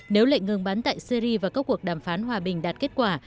nếu lệnh ngừng bắn tại syri và các cuộc đàm phán hòa bình đạt kết quả